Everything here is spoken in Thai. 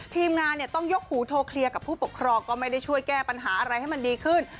ทีมงานเนี่ยต้องยกหูโทรเคลียร์กับผู้ปกครองก็ไม่ได้ช่วยแก้ปัญหาอะไรให้มันดีขึ้น